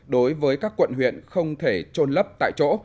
đối với các quận huyện không thể trôn lấp tại chỗ